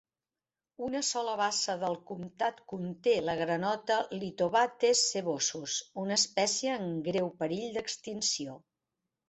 Una sola bassa del comtat conté la granota Lithobates sevosus, una espècie en greu perill d"extinció.